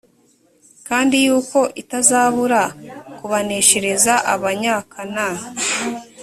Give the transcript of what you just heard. kandi yuko itazabura kubaneshereza abanyakan